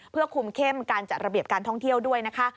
เพื่อคุมเข้มการจัดระเบียบการท่องเที่ยวด้วยนะคะ